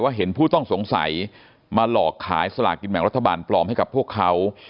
เห็นผู้ต้องสงสัยมาหลอกขายสลากินแบ่งรัฐบาลปลอมให้กับพวกเขา